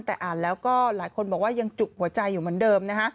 แต่อ่านแล้วก็หลายคนบอกว่ายังจุหัวใจอยู่เหมือนเดิมนะฮะ